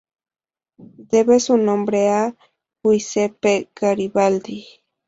Debe su nombre a Giuseppe Garibaldi.